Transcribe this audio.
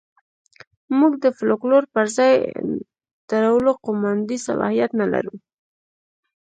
موږ د فوکلور پر ځای درولو قوماندې صلاحیت نه لرو.